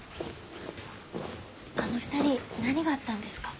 あの２人何があったんですか？